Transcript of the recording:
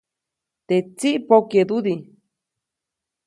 Teʼ tsiʼ pokyeʼdudi.